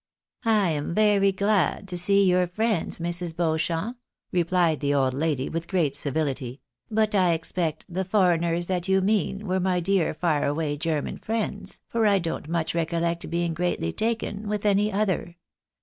" I am very glad to see your friends, Mrs. Beauchamp," re plied the old lady, with great civility ;" but I expect the foreigners that you mean were my dear far away German friends, for I don't much recollect being greatly taken with any other.